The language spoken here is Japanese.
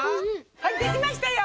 はいできましたよ！